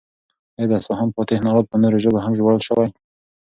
ایا د اصفهان فاتح ناول په نورو ژبو هم ژباړل شوی؟